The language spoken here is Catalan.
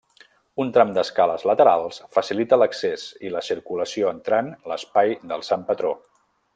Un tram d'escales laterals facilita l'accés i la circulació entrant l'espai del sant patró.